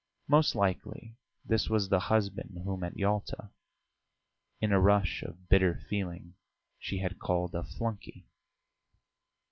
Most likely this was the husband whom at Yalta, in a rush of bitter feeling, she had called a flunkey.